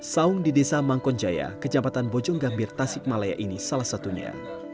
saung di desa mangkonjaya kejabatan bojong gambir tasikmalaya ini salah satunya